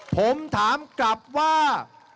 ผมถามกลับว่า